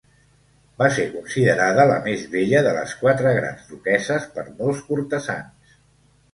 Va ser considerada la més bella de les quatre grans duquesses per molts cortesans.